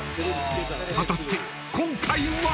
果たして今回は。